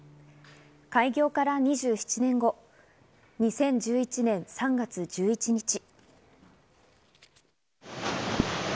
開業から２７年後、２０１１年３月１１日。